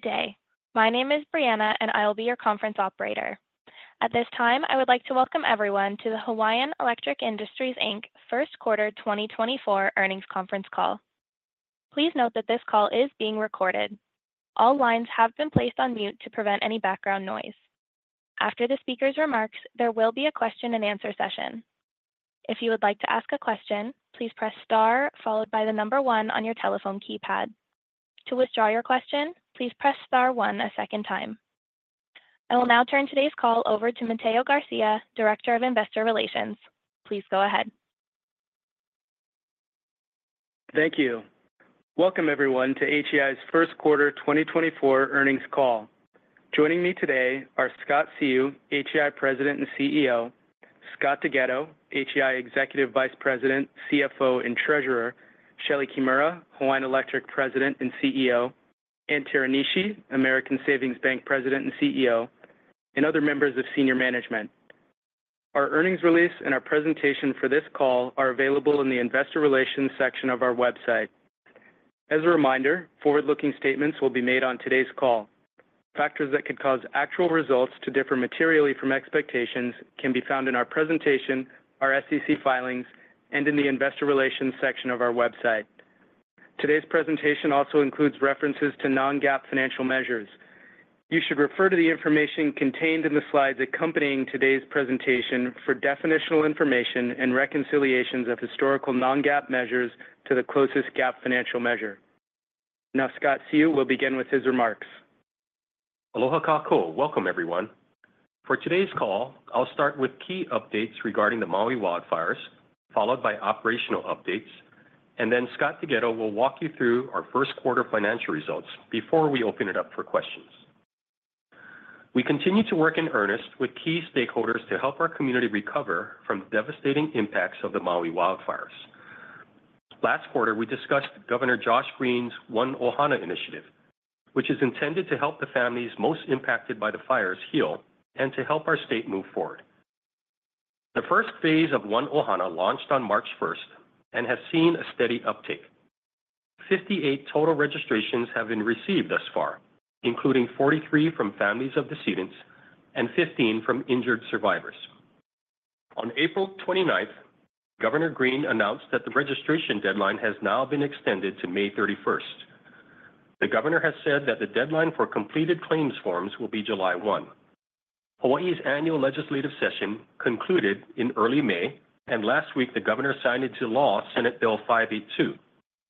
Good day. My name is Brianna, and I will be your conference operator. At this time, I would like to welcome everyone to the Hawaiian Electric Industries, Inc. First Quarter 2024 Earnings Conference Call. Please note that this call is being recorded. All lines have been placed on mute to prevent any background noise. After the speaker's remarks, there will be a Q&A session. If you would like to ask a question, please press star followed by the number one on your telephone keypad. To withdraw your question, please press star one a second time. I will now turn today's call over to Mateo Garcia, Director of Investor Relations. Please go ahead. Thank you. Welcome, everyone, to HEI's first quarter 2024 earnings call. Joining me today are Scott Seu, HEI President and CEO; Scott DeGhetto, HEI Executive Vice President, CFO, and Treasurer; Shelee Kimura, Hawaiian Electric President and CEO; Anne Teranishi, American Savings Bank President and CEO, and other members of senior management. Our earnings release and our presentation for this call are available in the investor relations section of our website. As a reminder, forward-looking statements will be made on today's call. Factors that could cause actual results to differ materially from expectations can be found in our presentation, our SEC filings, and in the investor relations section of our website. Today's presentation also includes references to non-GAAP financial measures. You should refer to the information contained in the slides accompanying today's presentation for definitional information and reconciliations of historical non-GAAP measures to the closest GAAP financial measure. Now, Scott Seu will begin with his remarks. Aloha kākou. Welcome, everyone. For today's call, I'll start with key updates regarding the Maui wildfires, followed by operational updates, and then Scott Seu will walk you through our first quarter financial results before we open it up for questions. We continue to work in earnest with key stakeholders to help our community recover from the devastating impacts of the Maui wildfires. Last quarter, we discussed Governor Josh Green's One 'Ohana initiative, which is intended to help the families most impacted by the fires heal and to help our state move forward. The first phase of One 'Ohana launched on March 1 and has seen a steady uptake. 58 total registrations have been received thus far, including 43 from families of decedents and 15 from injured survivors. On April 29, Governor Green announced that the registration deadline has now been extended to May 31. The Governor has said that the deadline for completed claims forms will be July 1. Hawaii's annual legislative session concluded in early May, and last week, the governor signed into law Senate Bill 582,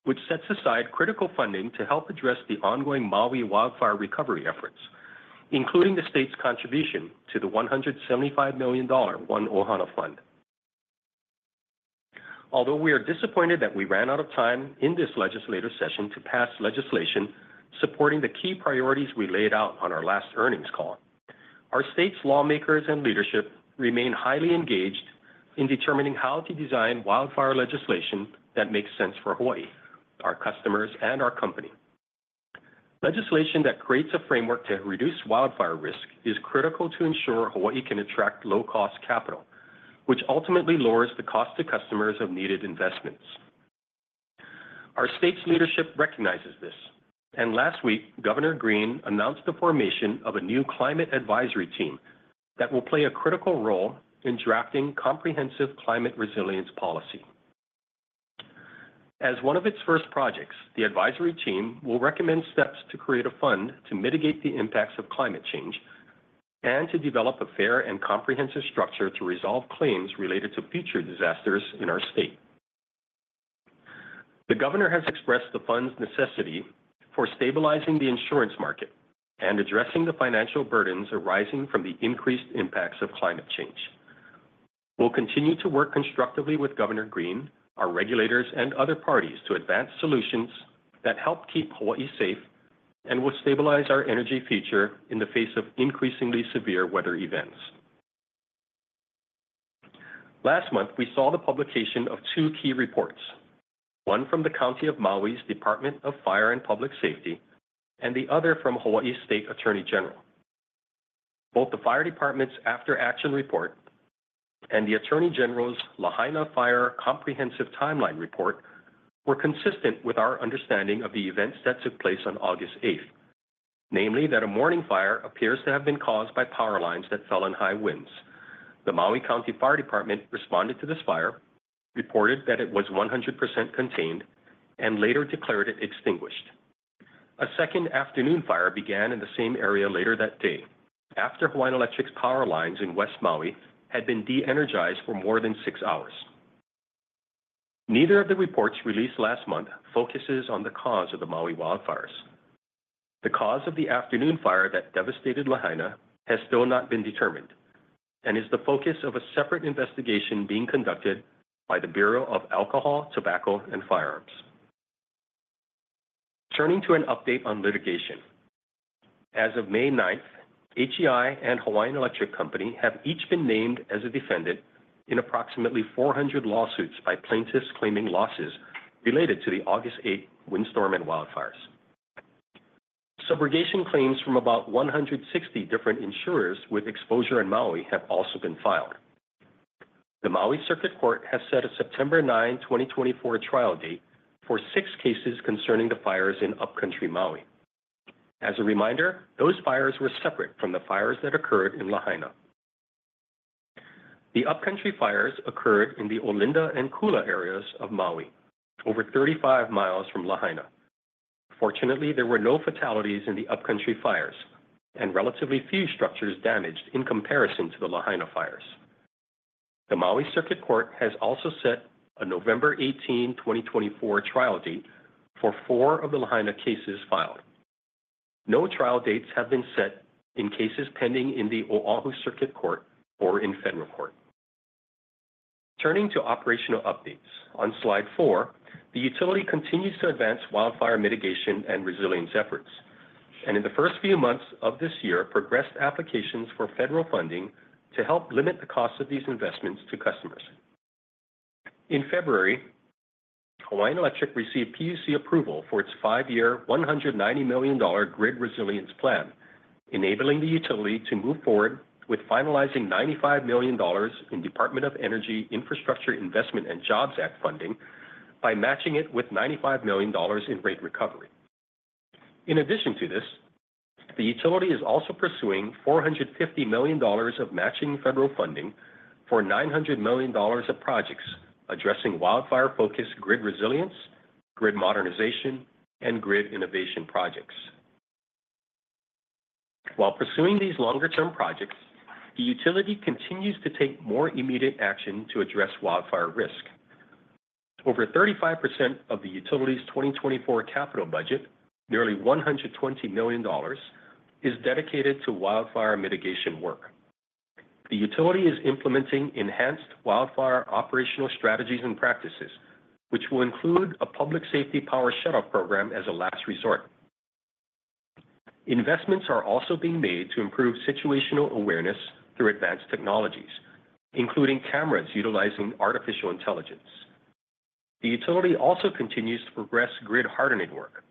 which sets aside critical funding to help address the ongoing Maui wildfire recovery efforts, including the state's contribution to the $175 million One 'Ohana Fund. Although we are disappointed that we ran out of time in this legislative session to pass legislation supporting the key priorities we laid out on our last earnings call, our state's lawmakers and leadership remain highly engaged in determining how to design wildfire legislation that makes sense for Hawaii, our customers, and our company. Legislation that creates a framework to reduce wildfire risk is critical to ensure Hawaii can attract low-cost capital, which ultimately lowers the cost to customers of needed investments. Our state's leadership recognizes this, and last week, Governor Green announced the formation of a new climate advisory team that will play a critical role in drafting comprehensive climate resilience policy. As one of its first projects, the advisory team will recommend steps to create a fund to mitigate the impacts of climate change and to develop a fair and comprehensive structure to resolve claims related to future disasters in our state. The Governor has expressed the fund's necessity for stabilizing the insurance market and addressing the financial burdens arising from the increased impacts of climate change. We'll continue to work constructively with Governor Green, our regulators, and other parties to advance solutions that help keep Hawaii safe and will stabilize our energy future in the face of increasingly severe weather events. Last month, we saw the publication of two key reports, one from the County of Maui's Department of Fire and Public Safety, and the other from Hawaii's Attorney General. Both the fire department's after-action report and the Attorney General's Lahaina Fire Comprehensive Timeline report were consistent with our understanding of the events that took place on August 8th, namely, that a morning fire appears to have been caused by power lines that fell in high winds. The Maui County Fire Department responded to this fire, reported that it was 100% contained and later declared it extinguished. A second afternoon fire began in the same area later that day, after Hawaiian Electric's power lines in West Maui had been de-energized for more than six hours. Neither of the reports released last month focuses on the cause of the Maui wildfires. The cause of the afternoon fire that devastated Lahaina has still not been determined and is the focus of a separate investigation being conducted by the Bureau of Alcohol, Tobacco and Firearms. Turning to an update on litigation. As of May 9, HEI and Hawaiian Electric Company have each been named as a defendant in approximately 400 lawsuits by plaintiffs claiming losses related to the August 8th windstorm and wildfires. Subrogation claims from about 160 different insurers with exposure in Maui have also been filed. The Maui Circuit Court has set a September 9, 2024, trial date for six cases concerning the fires in Upcountry Maui. As a reminder, those fires were separate from the fires that occurred in Lahaina. The Upcountry fires occurred in the Olinda and Kula areas of Maui, over 35 miles from Lahaina. Fortunately, there were no fatalities in the Upcountry fires and relatively few structures damaged in comparison to the Lahaina fires. The Maui Circuit Court has also set a November 18th, 2024, trial date for four of the Lahaina cases filed. No trial dates have been set in cases pending in the Oahu Circuit Court or in federal court. Turning to operational updates. On slide four, the utility continues to advance wildfire mitigation and resilience efforts, and in the first few months of this year, progressed applications for federal funding to help limit the cost of these investments to customers. In February, Hawaiian Electric received PUC approval for its five-year, $190 million grid resilience plan, enabling the utility to move forward with finalizing $95 million in Department of Energy Infrastructure Investment and Jobs Act funding by matching it with $95 million in rate recovery. In addition to this, the utility is also pursuing $450 million of matching federal funding for $900 million of projects addressing wildfire-focused grid resilience, grid modernization, and grid innovation projects. While pursuing these longer-term projects, the utility continues to take more immediate action to address wildfire risk. Over 35% of the utility's 2024 capital budget, nearly $120 million, is dedicated to wildfire mitigation work. The utility is implementing enhanced wildfire operational strategies and practices, which will include a public safety power shutoff program as a last resort. Investments are also being made to improve situational awareness through advanced technologies, including cameras utilizing artificial intelligence. The utility also continues to progress grid hardening work.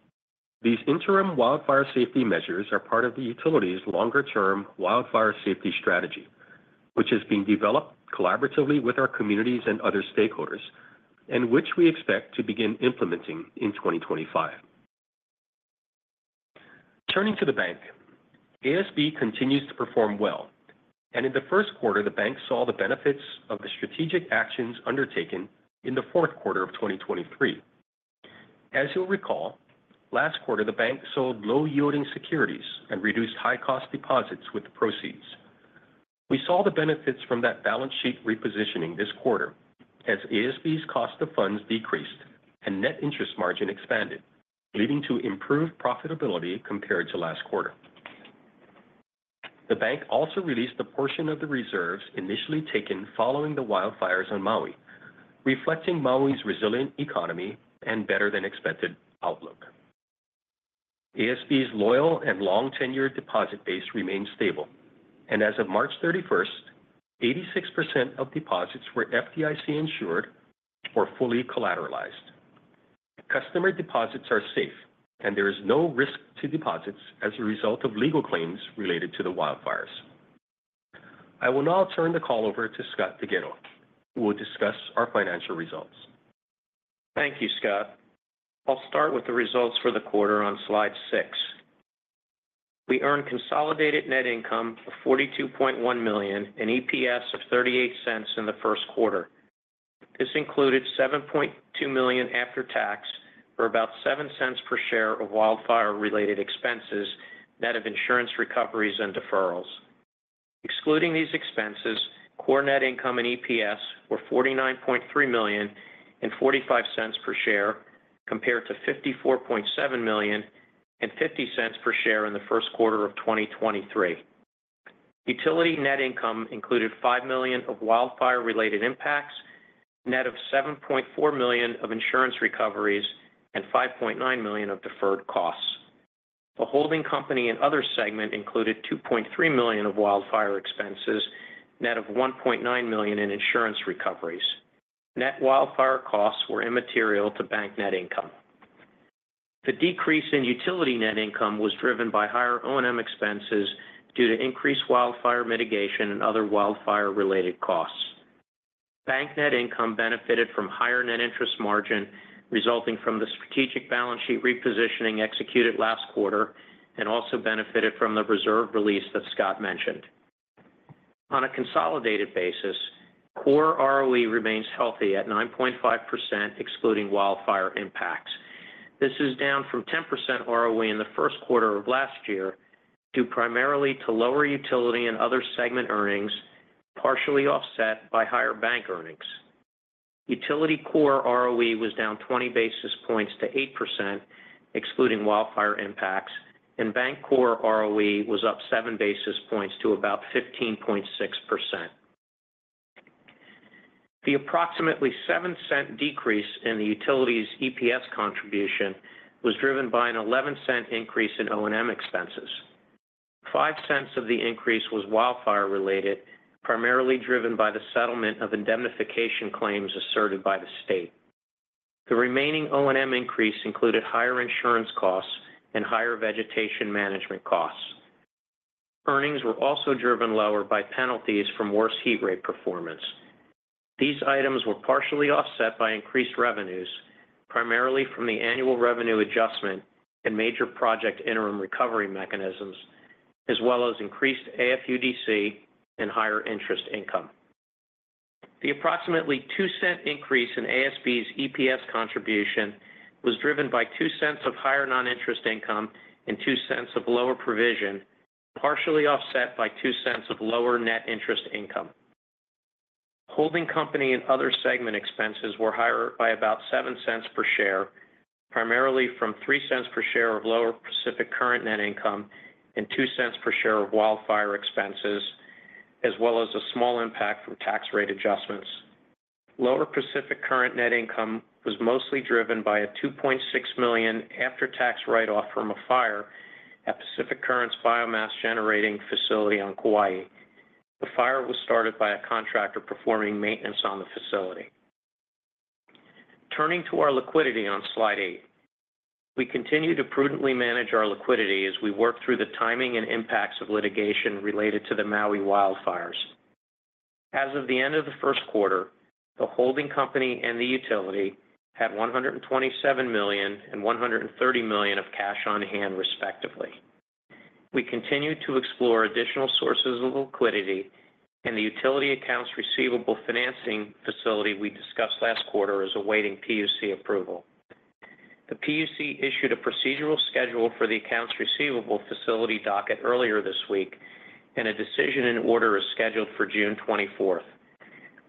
These interim wildfire safety measures are part of the utility's longer-term wildfire safety strategy, which is being developed collaboratively with our communities and other stakeholders, and which we expect to begin implementing in 2025. Turning to the bank, ASB continues to perform well, and in the first quarter, the bank saw the benefits of the strategic actions undertaken in the fourth quarter of 2023. As you'll recall, last quarter, the bank sold low-yielding securities and reduced high-cost deposits with the proceeds. We saw the benefits from that balance sheet repositioning this quarter as ASB's cost of funds decreased and net interest margin expanded, leading to improved profitability compared to last quarter. The bank also released a portion of the reserves initially taken following the wildfires on Maui, reflecting Maui's resilient economy and better-than-expected outlook. ASB's loyal and long-tenured deposit base remains stable, and as of March 31st, 86% of deposits were FDIC-insured or fully collateralized. Customer deposits are safe, and there is no risk to deposits as a result of legal claims related to the wildfires. I will now turn the call over to Scott DeGhetto, who will discuss our financial results. Thank you, Scott. I'll start with the results for the quarter on slide six. We earned consolidated net income of $42.1 million and EPS of $0.38 in the first quarter. This included $7.2 million after tax, for about $0.07 per share of wildfire-related expenses, net of insurance recoveries and deferrals. Excluding these expenses, core net income and EPS were $49.3 million and $0.45 per share, compared to $54.7 million and $0.50 per share in the first quarter of 2023. Utility net income included $5 million of wildfire-related impacts, net of $7.4 million of insurance recoveries and $5.9 million of deferred costs. The holding company and other segment included $2.3 million of wildfire expenses, net of $1.9 million in insurance recoveries. Net wildfire costs were immaterial to bank net income. The decrease in utility net income was driven by higher O&M expenses due to increased wildfire mitigation and other wildfire-related costs. Bank net income benefited from higher net interest margin, resulting from the strategic balance sheet repositioning executed last quarter, and also benefited from the reserve release that Scott mentioned. On a consolidated basis, core ROE remains healthy at 9.5%, excluding wildfire impacts. This is down from 10% ROE in the first quarter of last year, due primarily to lower utility and other segment earnings, partially offset by higher bank earnings. Utility core ROE was down 20 basis points to 8%, excluding wildfire impacts, and bank core ROE was up 7 basis points to about 15.6%. The approximately $0.07 decrease in the utility's EPS contribution was driven by an $0.11 increase in O&M expenses. $0.05 of the increase was wildfire-related, primarily driven by the settlement of indemnification claims asserted by the state. The remaining O&M increase included higher insurance costs and higher vegetation management costs. Earnings were also driven lower by penalties from worse heat rate performance. These items were partially offset by increased revenues, primarily from the annual revenue adjustment and major project interim recovery mechanisms, as well as increased AFUDC and higher interest income. The approximately $0.02 increase in ASB's EPS contribution was driven by $0.02 of higher non-interest income and $0.02 of lower provision, partially offset by $0.02 of lower net interest income. Holding company and other segment expenses were higher by about 7 cents per share, primarily from 3 cents per share of lower Pacific Current net income and 2 cents per share of wildfire expenses, as well as a small impact from tax rate adjustments. Lower Pacific Current net income was mostly driven by a $2.6 million after-tax write-off from a fire at Pacific Current's biomass generating facility on Kauai. The fire was started by a contractor performing maintenance on the facility. Turning to our liquidity on slide eight, we continue to prudently manage our liquidity as we work through the timing and impacts of litigation related to the Maui wildfires. As of the end of the first quarter, the holding company and the utility had $127 million and $130 million of cash on hand, respectively. We continue to explore additional sources of liquidity, and the utility accounts receivable financing facility we discussed last quarter is awaiting PUC approval. The PUC issued a procedural schedule for the accounts receivable facility docket earlier this week, and a decision and order is scheduled for June 24th.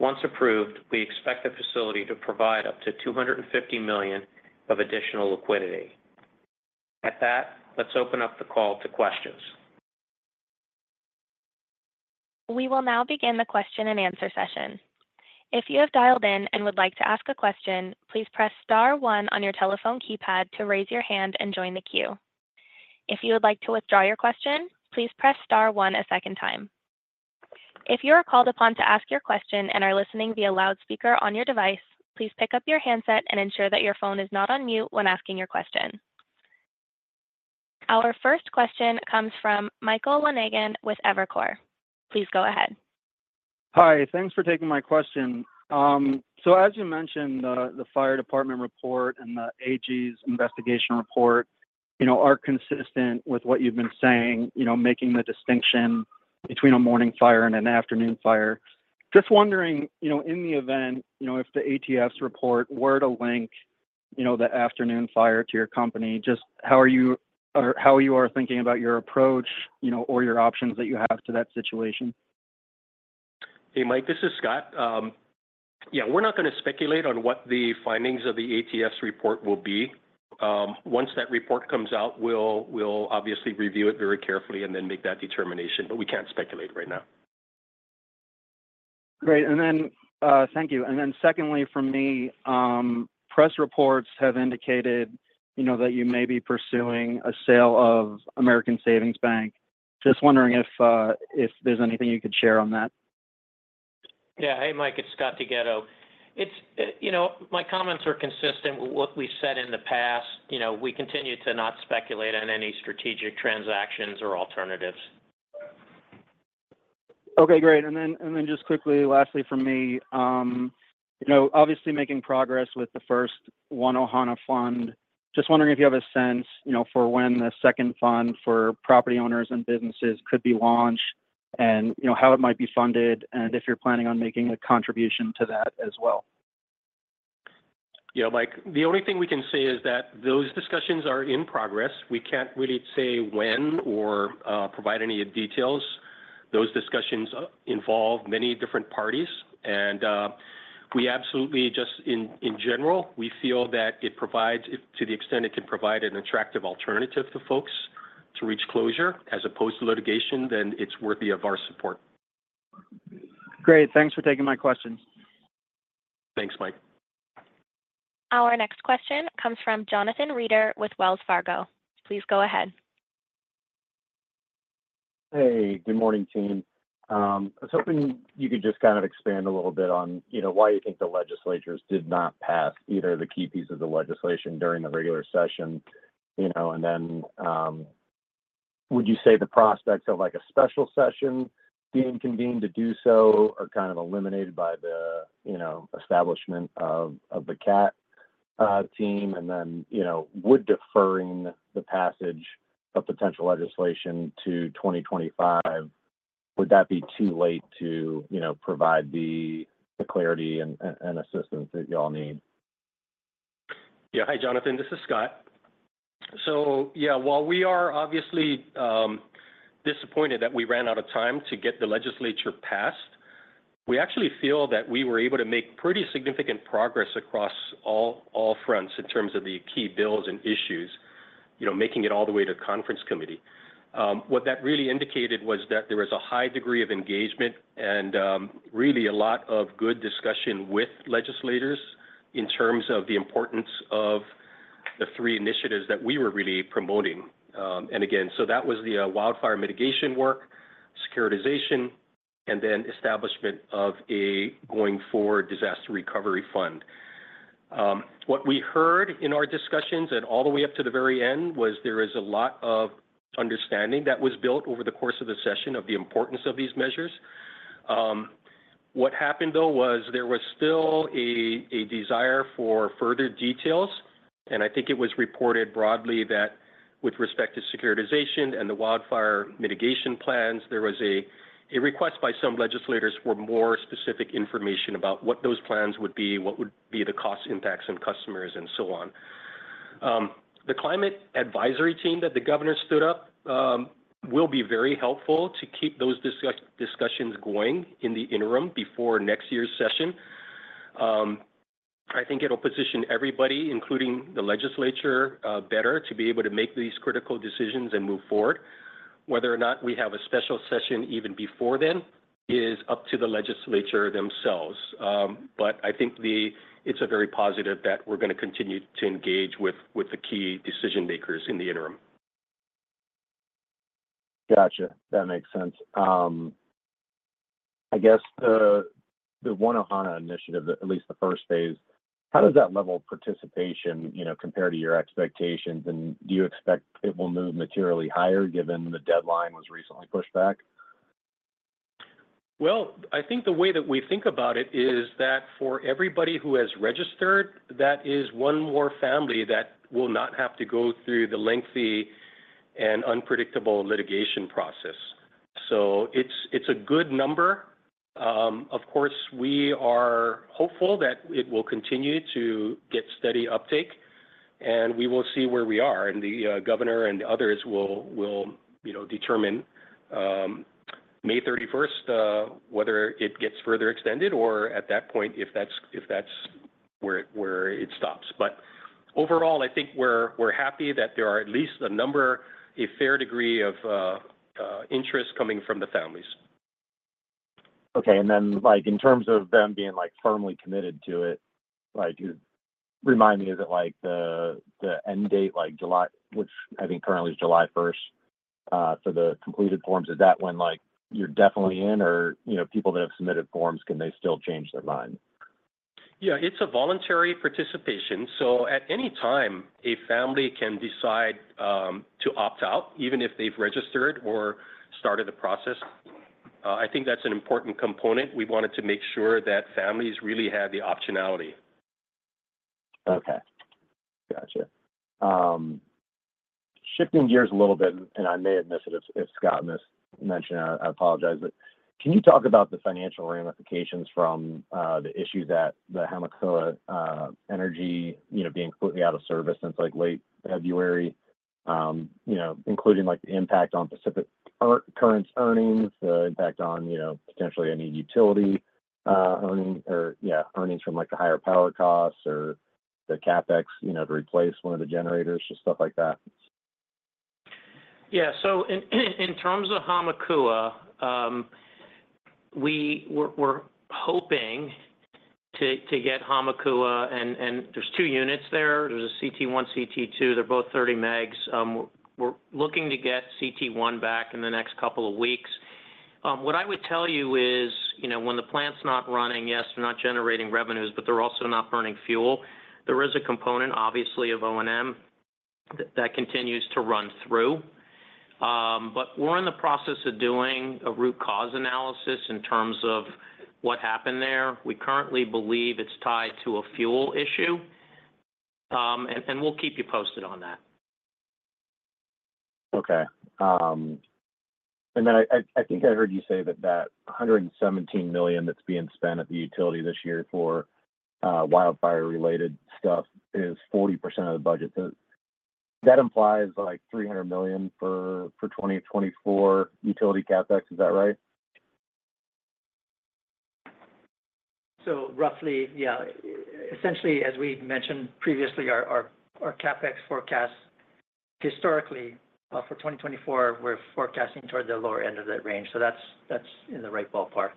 Once approved, we expect the facility to provide up to $250 million of additional liquidity. At that, let's open up the call to questions. We will now begin the Q&A session. If you have dialed in and would like to ask a question, please press star one on your telephone keypad to raise your hand and join the queue. If you would like to withdraw your question, please press star one a second time. If you are called upon to ask your question and are listening via loudspeaker on your device, please pick up your handset and ensure that your phone is not on mute when asking your question. Our first question comes from Michael Lonegan with Evercore. Please go ahead. Hi, thanks for taking my question. So as you mentioned, the fire department report and the AG's investigation report, you know, are consistent with what you've been saying, you know, making the distinction between a morning fire and an afternoon fire. Just wondering, you know, in the event, you know, if the ATF's report were to link, you know, the afternoon fire to your company, just how are you or how you are thinking about your approach, you know, or your options that you have to that situation? Hey, Mike, this is Scott. Yeah, we're not going to speculate on what the findings of the ATF report will be. Once that report comes out, we'll, we'll obviously review it very carefully and then make that determination, but we can't speculate right now. Great. Thank you. Secondly, for me, press reports have indicated, you know, that you may be pursuing a sale of American Savings Bank. Just wondering if there's anything you could share on that? Yeah. Hey, Mike, it's Scott DeGhetto. It's, you know, my comments are consistent with what we've said in the past. You know, we continue to not speculate on any strategic transactions or alternatives. Okay, great. And then, and then just quickly, lastly, for me, you know, obviously making progress with the first One 'Ohana Fund. Just wondering if you have a sense, you know, for when the second fund for property owners and businesses could be launched and, you know, how it might be funded, and if you're planning on making a contribution to that as well? Yeah, Mike, the only thing we can say is that those discussions are in progress. We can't really say when or provide any details. Those discussions involve many different parties, and we absolutely just in, in general, we feel that it provides, if to the extent it can provide an attractive alternative to folks to reach closure as opposed to litigation, then it's worthy of our support. Great. Thanks for taking my questions. Thanks, Mike. Our next question comes from Jonathan Reeder with Wells Fargo. Please go ahead. Hey, good morning, team. I was hoping you could just kind of expand a little bit on, you know, why you think the legislatures did not pass either the key piece of the legislation during the regular session, you know? And then, would you say the prospects of, like, a special session being convened to do so are kind of eliminated by the, you know, establishment of the CAT team? And then, you know, would deferring the passage of potential legislation to 2025, would that be too late to, you know, provide the clarity and assistance that you all need? Yeah. Hi, Jonathan, this is Scott. So, yeah, while we are obviously disappointed that we ran out of time to get the legislature passed, we actually feel that we were able to make pretty significant progress across all fronts in terms of the key bills and issues, you know, making it all the way to conference committee. What that really indicated was that there was a high degree of engagement and really a lot of good discussion with legislators in terms of the importance of the three initiatives that we were really promoting. And again, so that was the wildfire mitigation work… securitization, and then establishment of a going forward disaster recovery fund. What we heard in our discussions and all the way up to the very end was there is a lot of understanding that was built over the course of the session of the importance of these measures. What happened though was there was still a desire for further details, and I think it was reported broadly that with respect to securitization and the wildfire mitigation plans, there was a request by some legislators for more specific information about what those plans would be, what would be the cost impacts on customers, and so on. The Climate Advisory Team that the governor stood up will be very helpful to keep those discussions going in the interim before next year's session. I think it'll position everybody, including the legislature, better to be able to make these critical decisions and move forward. Whether or not we have a special session even before then is up to the legislature themselves. But I think it's a very positive that we're gonna continue to engage with, with the key decision makers in the interim. Gotcha. That makes sense. I guess the One 'Ohana initiative, at least the first phase, how does that level of participation, you know, compare to your expectations? And do you expect it will move materially higher, given the deadline was recently pushed back? Well, I think the way that we think about it is that for everybody who has registered, that is one more family that will not have to go through the lengthy and unpredictable litigation process. So it's, it's a good number. Of course, we are hopeful that it will continue to get steady uptake, and we will see where we are, and the governor and others will, will, you know, determine May 31st whether it gets further extended or at that point, if that's, if that's where it, where it stops. But overall, I think we're, we're happy that there are at least a number, a fair degree of interest coming from the families. Okay, and then, like, in terms of them being, like, firmly committed to it, like, remind me, is it like the, the end date, like July, which I think currently is July first, for the completed forms, is that when like you're definitely in, or, you know, people that have submitted forms, can they still change their mind? Yeah, it's a voluntary participation, so at any time, a family can decide to opt out, even if they've registered or started the process. I think that's an important component. We wanted to make sure that families really had the optionality. Okay. Gotcha. Shifting gears a little bit, and I may have missed it, if, if Scott missed mentioning it, I apologize, but can you talk about the financial ramifications from the issue that the Hamakua Energy, you know, being completely out of service since, like, late February? You know, including, like, the impact on Pacific Current earnings, the impact on, you know, potentially any utility earnings or, yeah, earnings from, like, the higher power costs or the CapEx, you know, to replace one of the generators, just stuff like that. Yeah. So in terms of Hamakua, we're hoping to get Hamakua, and there's two units there. There's a CT one, CT two. They're both 30 megs. We're looking to get CT one back in the next couple of weeks. What I would tell you is, you know, when the plant's not running, yes, they're not generating revenues, but they're also not burning fuel. There is a component, obviously, of O&M that continues to run through. But we're in the process of doing a root cause analysis in terms of what happened there. We currently believe it's tied to a fuel issue, and we'll keep you posted on that. Okay. And then I think I heard you say that $117 million that's being spent at the utility this year for wildfire-related stuff is 40% of the budget. So that implies, like, $300 million for 2024 utility CapEx. Is that right? So roughly, yeah. Essentially, as we mentioned previously, our CapEx forecasts historically for 2024, we're forecasting toward the lower end of that range. So that's in the right ballpark.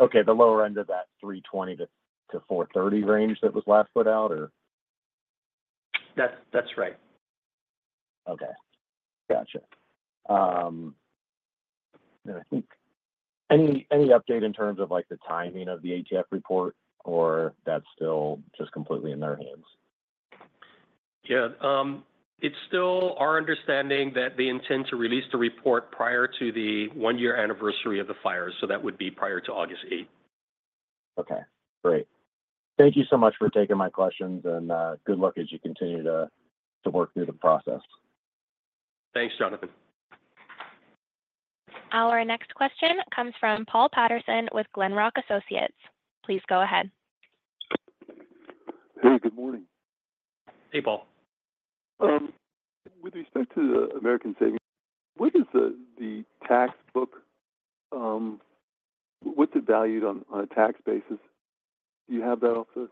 Okay, the lower end of that $320-$4.30 range that was last put out, or? That, that's right. Okay. Gotcha. I think any update in terms of, like, the timing of the ATF report, or that's still just completely in their hands? Yeah, it's still our understanding that they intend to release the report prior to the one-year anniversary of the fires, so that would be prior to August 8th. Okay, great. Thank you so much for taking my questions, and good luck as you continue to work through the process. Thanks, Jonathan. Our next question comes from Paul Patterson with Glenrock Associates. Please go ahead. Hey, good morning. Hey, Paul. With respect to the American Savings, what is the, the tax book, what's it valued on, on a tax basis? Do you have that off the...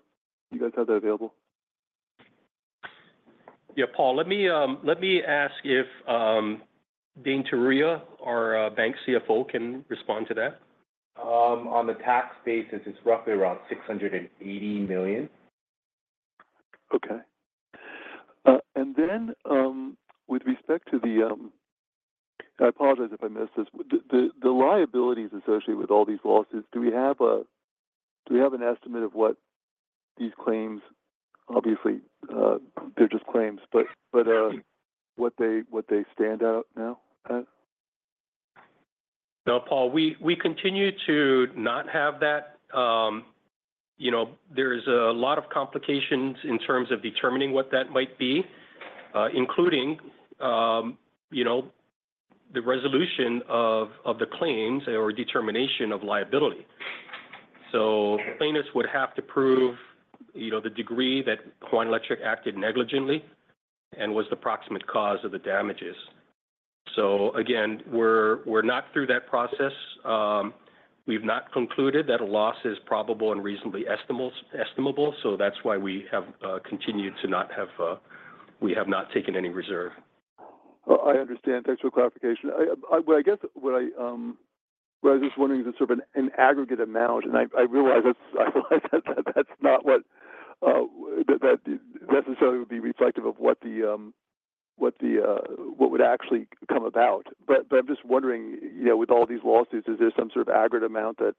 Do you guys have that available? Yeah, Paul, let me ask if Dane Teruya, our bank CFO, can respond to that. On the tax basis, it's roughly around $680 million.... Okay. And then, with respect to the liabilities associated with all these losses, do we have an estimate of what these claims, obviously, they're just claims, but what they stand at now? No, Paul, we continue to not have that. You know, there's a lot of complications in terms of determining what that might be, including, you know, the resolution of the claims or determination of liability. So plaintiffs would have to prove, you know, the degree that Hawaiian Electric acted negligently and was the proximate cause of the damages. So again, we're not through that process. We've not concluded that a loss is probable and reasonably estimable, so that's why we have continued to not have, we have not taken any reserve. Well, I understand. Thanks for the clarification. Well, I guess what I was just wondering is sort of an aggregate amount, and I realize that's, I realize that that's not what that necessarily would be reflective of what the what would actually come about. But I'm just wondering, you know, with all these lawsuits, is there some sort of aggregate amount that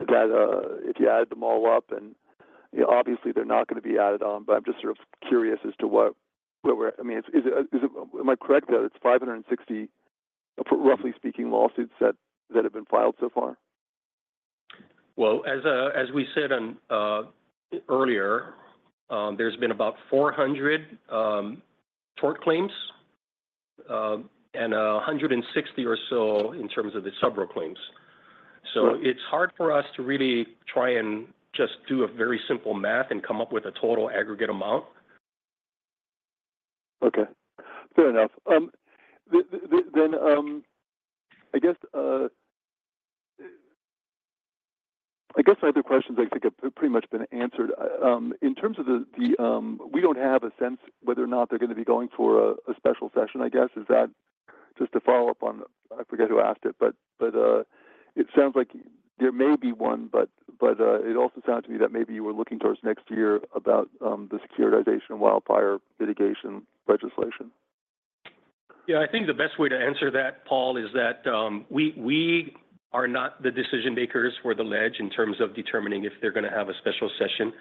if you added them all up, and you know, obviously they're not going to be added on, but I'm just sort of curious as to what what we're - I mean, is it, am I correct that it's 560, roughly speaking, lawsuits that have been filed so far? Well, as we said earlier, there's been about 400 tort claims, and 160 or so in terms of the subro claims. Right. It's hard for us to really try and just do a very simple math and come up with a total aggregate amount. Okay. Fair enough. I guess my other questions I think have pretty much been answered. In terms of, we don't have a sense whether or not they're going to be going for a special session, I guess. Is that just to follow up on, I forget who asked it, but it sounds like there may be one, but it also sounds to me that maybe you were looking towards next year about the securitization of wildfire litigation legislation. Yeah, I think the best way to answer that, Paul, is that we are not the decision makers for the legislature in terms of determining if they're going to have a special session.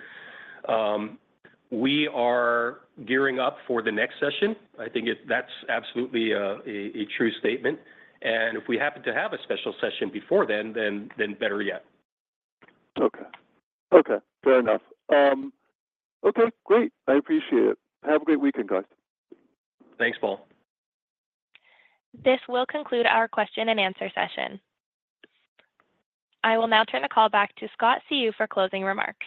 We are gearing up for the next session. I think that's absolutely a true statement, and if we happen to have a special session before then, then better yet. Okay. Okay. Fair enough. Okay, great! I appreciate it. Have a great weekend, guys. Thanks, Paul. This will conclude our question and answer session. I will now turn the call back to Scott Seu for closing remarks.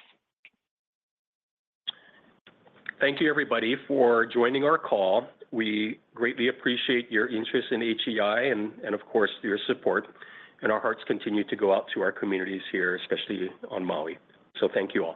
Thank you, everybody, for joining our call. We greatly appreciate your interest in HEI and of course, your support, and our hearts continue to go out to our communities here, especially on Maui. Thank you all.